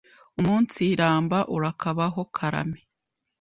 umunsiramba Urakabaho, karame